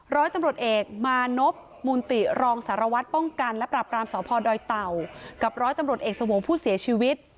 ร้อยตำรวจเอกมานพมูลติรองสารวัตรป้องกันและปรับรามสพดอยเต่ากับร้อยตำรวจเอกสวงผู้เสียชีวิต